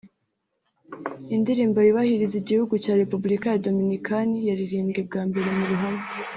Indirimbo yubahiriza Igihugu cya Repubulika ya Dominikani yaririmbwe bwa mbere mu ruhame